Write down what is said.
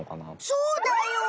そうだよ！